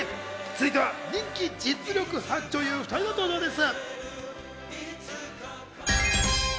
続いては人気実力派女優２人の登場です。